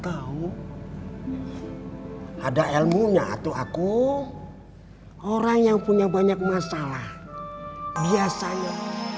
kau ada ilmunya atau aku orang yang punya banyak masalah biasanya